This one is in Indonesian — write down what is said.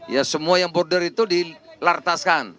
ya semua yang border itu dilartaskan